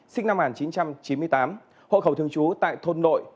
sinh năm một nghìn chín trăm chín mươi tám hộ khẩu thường trú tại thôn nội